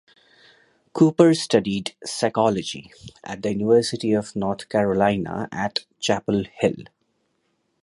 Cooper studied psychology at the University of North Carolina at Chapel Hill.